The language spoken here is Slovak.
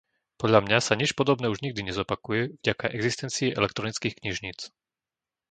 Podľa mňa sa nič podobné už nikdy nezopakuje vďaka existencii elektronických knižníc.